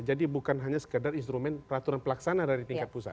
jadi bukan hanya sekedar instrumen peraturan pelaksana dari tingkat pusat